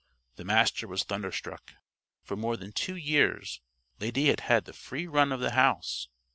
The Master was thunderstruck. For more than two years Lady had had the free run of the house.